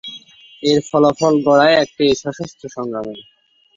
এর ফলাফল গড়ায় একটি সশস্ত্র সংগ্রামে।